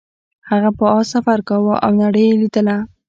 هغه په اس سفر کاوه او نړۍ یې لیدله.